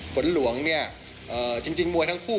ฝนหลวงจริงมวยทั้งคู่